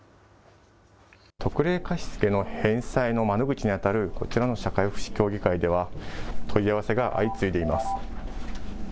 特例貸し付けの返済の窓口に当たるこちらの社会福祉協議会では、問い合わせが相次いでいます。